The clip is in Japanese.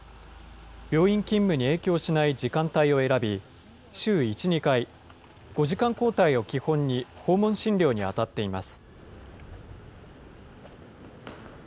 病院勤務に影響しない時間帯を選び、週１、２回、５時間交代を基本に訪問診療に当たっています。